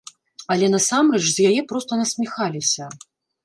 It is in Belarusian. Але насамрэч з яе проста насміхаліся.